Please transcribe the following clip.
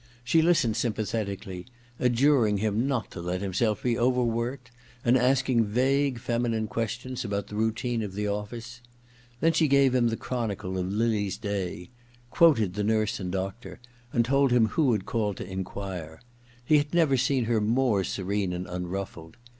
She listened sympathetically, adjuring him not to let himself be overworked, and asking vague feminine questions about the routine of the office. Then she gave him the chronicle of Lily's day ; quoted the nurse and doctor, and told him who had called to enquire. He had never seen her more serene and unruffled.